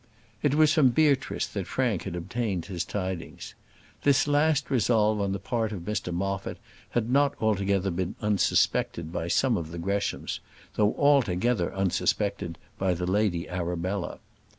It was from Beatrice that Frank had obtained his tidings. This last resolve on the part of Mr Moffat had not altogether been unsuspected by some of the Greshams, though altogether unsuspected by the Lady Arabella.